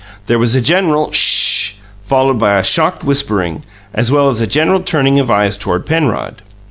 There was a general "SH!" followed by a shocked whispering, as well as a general turning of eyes toward Penrod.